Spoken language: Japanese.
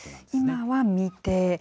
今は未定。